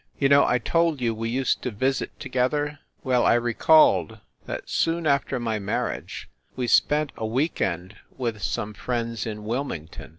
You know I told you we used to visit together ? Well, I recalled that soon after my marriage we spent a week end with some friends in Wilmington.